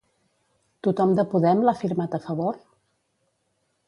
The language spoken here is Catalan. Tothom de Podem l'ha firmat a favor?